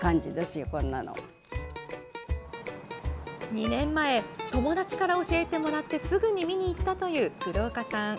２年前友達から教えてもらってすぐに見に行ったという鶴岡さん。